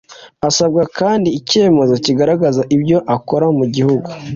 Asabwa kandi icyemezo kigaragaza ibyo akora mu gihugu,